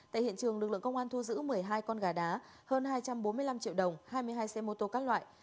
tại hiện trường lực lượng công an thu giữ một mươi hai con gà đá hơn hai trăm bốn mươi năm triệu đồng hai mươi hai xe mô tô các loại